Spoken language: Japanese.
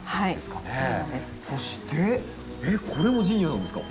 そしてえっこれもジニアなんですか？